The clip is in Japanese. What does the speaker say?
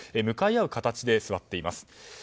向かい合う形で座っています。